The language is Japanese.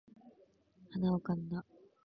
鼻をかんだ